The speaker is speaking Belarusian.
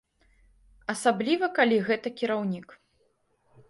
Асабліва калі гэта кіраўнік.